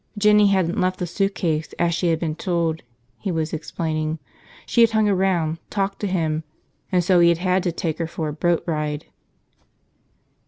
Jinny hadn't left the suitcase as she had been told, he was explaining. She had hung around, talked to him, and so he had had to take her for a boat ride.